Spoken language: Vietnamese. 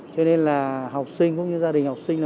cho nên là học sinh cũng như gia đình học sinh